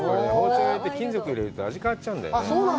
あれ金属入れると味が変わっちゃうんだよね。